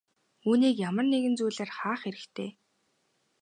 Үүнийг ямар нэгэн зүйлээр хаах хэрэгтэй.